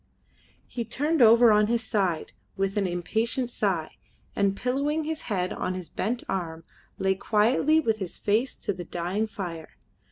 He turned over on his side with an impatient sigh, and, pillowing his head on his bent arm, lay quietly with his face to the dying fire.